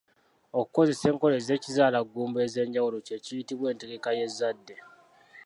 Okukozesa enkola z'ekizaalaggumba ez'enjawulo kye kiyitibwa entegeka y'ezzadde